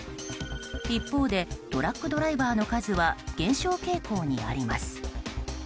一方でトラックドライバーの数は減少傾向にあります。